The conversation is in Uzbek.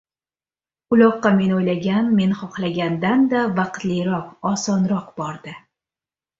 Uloqqa men o‘ylagan, men xohlagandan-da vaqtliroq, osonroq bordi.